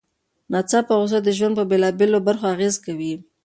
ناڅاپه غوسه د ژوند په بېلابېلو برخو اغېز کوي.